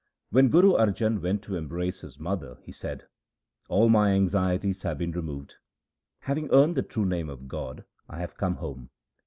When Guru Arjan went to embrace his mother, he said :' All my anxieties have been removed. Having earned the true name of God, I have come home.'